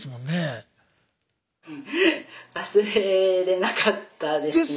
忘れれなかったですね。